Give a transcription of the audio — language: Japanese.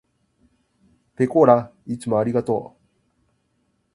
ぺこーらいつもありがとう。